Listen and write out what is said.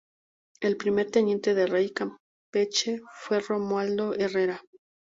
El primer teniente de rey de Campeche fue Romualdo Herrera.